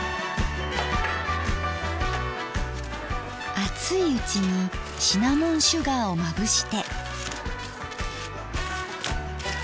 熱いうちにシナモンシュガーをまぶして。